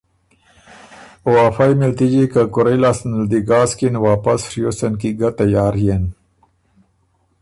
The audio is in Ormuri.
او افئ مِلتِجی که کُورئ لاسته نل دی ګاسکِن، واپس ڒیوڅن کی ګۀ تیار يېن